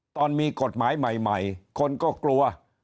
ตอนมีกฎหมายใหม่คนก็กลัว